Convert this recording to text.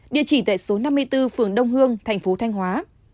địa chỉ tại số năm mươi bốn phường đông hương thành phố thanh hóa